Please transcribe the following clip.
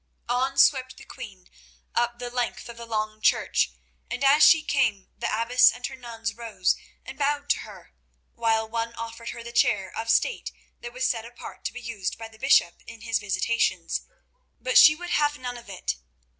On swept the queen, up the length of the long church, and as she came the abbess and her nuns rose and bowed to her, while one offered her the chair of state that was set apart to be used by the bishop in his visitations. But she would have none of it.